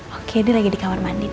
oke dia lagi di kamar mandi deh